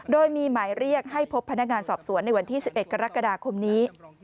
โดยมีหมายเรียกให้พบพนักงานสอบสวนในวันที่๑๑กรกฎาคมนี้